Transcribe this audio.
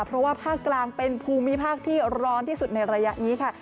เพราะว่าภาคกลางเป็นภูมิภาคที่ร้อนที่สุดในระยะนี้ค่ะ